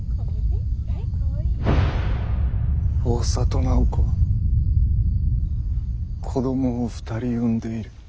大郷楠宝子は子供を２人産んでいる。